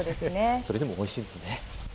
それでもおいしいですよね。